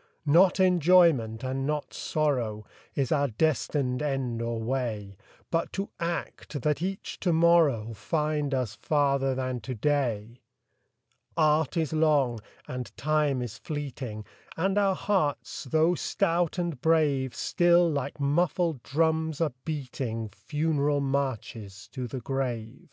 VOICES OF THE NIGHT. Not enjoyment, and not sorrow, Is our destined end or way ; But to act, that each to morrow Find us farther than to day. Art is long, and Time is fleeting, And our hearts, though stout and brave, Still, like muffled drums, are beating Funeral marches to the grave.